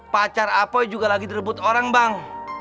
pacar apoi juga lagi direbut orang bang